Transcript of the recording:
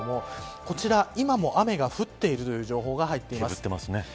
こちら今も雨が降っているという情報が入っています。